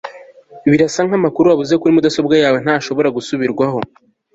birasa nkamakuru wabuze kuri mudasobwa yawe ntashobora gusubirwaho